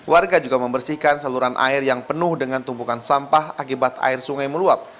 warga juga membersihkan saluran air yang penuh dengan tumpukan sampah akibat air sungai meluap